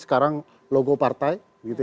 sekarang logo partai